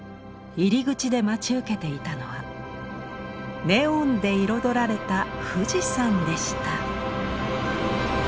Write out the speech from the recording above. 入り口で待ち受けていたのはネオンで彩られた富士山でした。